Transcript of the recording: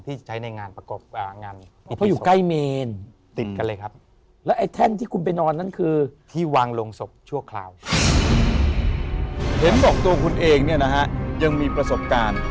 ที่ใช้ในงานประกบงานพิธีศพ